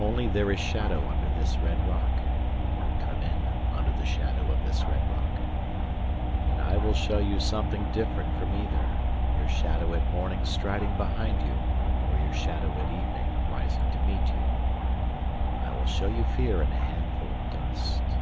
Only There is shadow under this red rock, 25 (Come in under the shadow of this red rock), And I will show you something different from either Your shadow at morning striding behind you Or your shadow at evening rising to meet you; I will show you fear in a handful of dust.